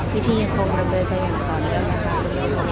วิธียังคงดำเนินไปอย่างก่อนนะครับ